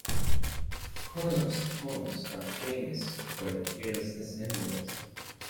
Choinom's poems are famous for their fearlessness and realism.